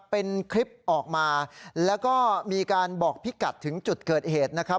เป็นคลิปออกมาแล้วก็มีการบอกพี่กัดถึงจุดเกิดเหตุนะครับ